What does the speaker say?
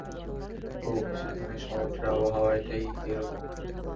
ওহ, সেখানে সমুদ্রের আবহাওয়াটাই এরকম!